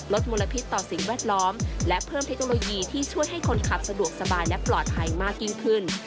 มลพิษต่อสิ่งแวดล้อมและเพิ่มเทคโนโลยีที่ช่วยให้คนขับสะดวกสบายและปลอดภัยมากยิ่งขึ้น